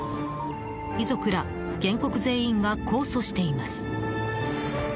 遺族ら原告全員が控訴しています。